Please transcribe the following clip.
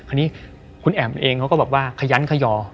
คราวนี้คุณแอ๋มเองเขาก็บอกว่าขยันขยอ